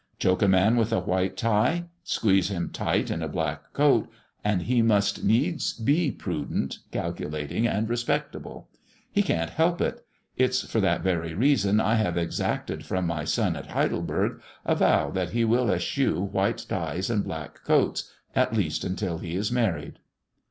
Choke a man with a white tie, squeeze him tight in a black coat, and he must needs be prudent, calculating, and respectable. He can't help it. It's for that very reason I have exacted from my son, at Heidelberg, a vow that he will eschew white ties and black coats, at least, until he is married."